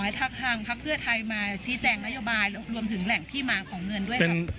รวมถึงแหล่งที่มาของเงินด้วยครับ